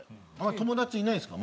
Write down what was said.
友達いないんですか？